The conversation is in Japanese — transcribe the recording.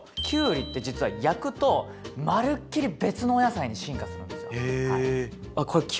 きゅうりって実は焼くとまるっきり別のお野菜に進化するんですよ。